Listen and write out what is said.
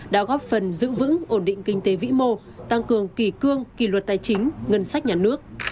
đã góp phần giữ vững ổn định kinh tế vĩ mô tăng cường kỳ cương kỳ luật tài chính ngân sách nhà nước